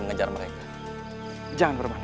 mengejar mereka jangan bermain